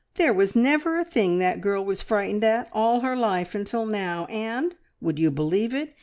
"There was never a thing that girl was frightened at, all her life, until now, and, would you believe it?